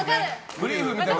ブリーフみたいな。